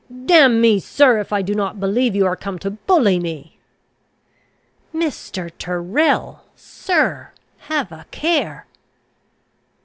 "Damn me, sir, if I do not believe you are come to bully me." "Mr. Tyrrel! sir have a care!"